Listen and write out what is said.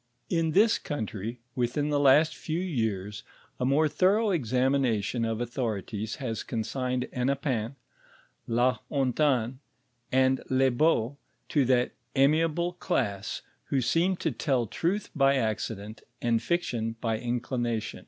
In this country, within the last few years a more thorough examination of authorities has consigned Hennepin,* Lu Hontan, and Lebeau, to that amiable class who seem to tell truth by accident and fiction by inclination.